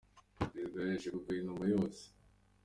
Perezida yasheshe Guverinoma yose